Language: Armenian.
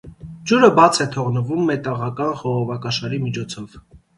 Ջուրը բաց է թողնվում մետաղական խողովակաշարի միջոցով։